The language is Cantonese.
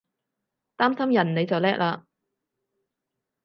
擔心人你就叻喇！